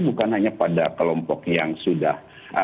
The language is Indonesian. bukan hanya pada kelompok yang sudah